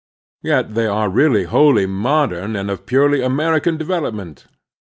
Yet they are really wholly modem and of purely American develop ment.